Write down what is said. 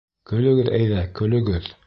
Көлөгөҙ әйҙә, көлөгөҙ.